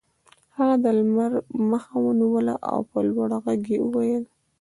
هغه د لمر مخه ونیوله او په لوړ غږ یې وویل